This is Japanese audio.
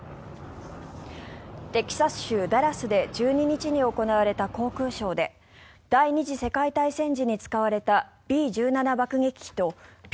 テキサス州ダラスで１２日に行われた航空ショーで第２次世界大戦時に使われたＢ１７爆撃機とＰ６３